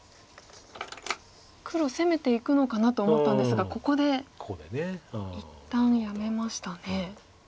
黒攻めていくのかなと思ったんですがここで一旦やめましたね。